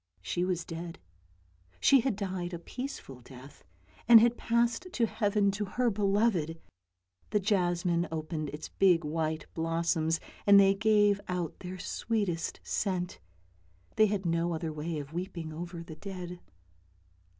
She was dead — she had died a peaceful death, and had passed to heaven to her beloved! The jasmine opened its big white blossoms, and they gave out their sweetest scent. They had no other way of weeping over the dead.